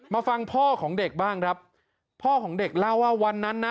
มาฟังพ่อของเด็กบ้างครับพ่อของเด็กเล่าว่าวันนั้นนะ